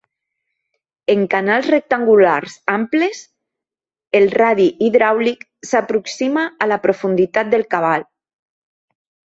En canals rectangulars amples, el radi hidràulic s'aproxima a la profunditat del cabal.